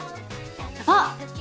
あっ！